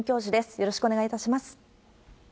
よろしくお願いします。